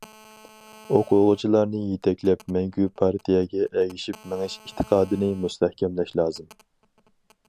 ئوقۇغۇچىلارنى يېتەكلەپ، مەڭگۈ پارتىيەگە ئەگىشىپ مېڭىش ئېتىقادىنى مۇستەھكەملەش لازىم.